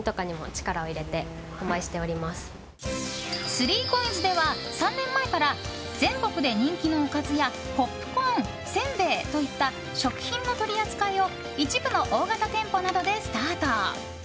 スリーコインズでは３年前から全国で人気のおかずやポップコーン、せんべいといった食品の取り扱いを一部の大型店舗などでスタート。